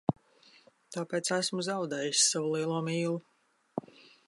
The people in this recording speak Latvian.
Tāpēc esmu zaudējis savu lielo mīlu.